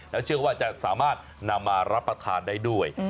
แล้วเชื่อว่าจะสามารถนำมารับประทานได้ด้วย